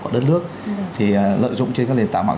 trước thì lợi dụng trên các lệnh tả mạng